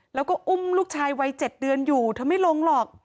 แล้วก็อุ้มลูกชายวัย๗เดือนอยู่เธอไม่ลงหรอก